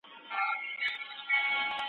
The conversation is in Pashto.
ي د ښكلا پر كلي شــپه تېروم